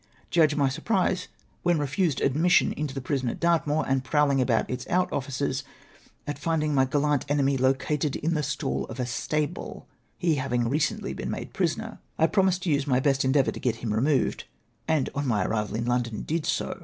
Judge of my surprise, when refused admis sion into the prison at Dartmoor, and prowling about its out ofiices, at finding my gallant enemy located in tlie stall of a stable^ he having been recently made prisoner. I promised to use my best endeavom^ to get liini removed, and on my arrival in London did so.